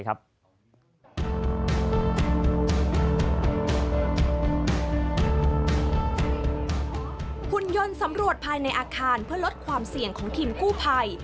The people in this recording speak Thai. หุ่นยนต์สำรวจภายในอาคารเพื่อลดความเสี่ยงของทีมกู้ภัย